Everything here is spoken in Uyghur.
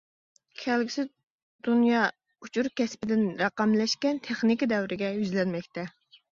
كەلگۈسى دۇنيا ئۇچۇر كەسپىدىن رەقەملەشكەن تېخنىكا دەۋرىگە يۈزلەنمەكتە.